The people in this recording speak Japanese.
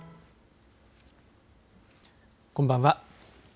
こんばんは。